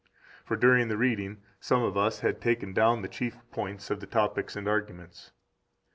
6 For during the reading some of us had taken down the chief points 7 of the topics and arguments.